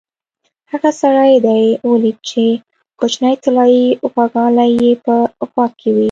هغه سړی دې ولید چې کوچنۍ طلایي غوږوالۍ یې په غوږ وې؟